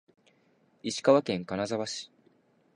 石川県金沢市